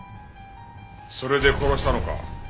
それで殺したのか？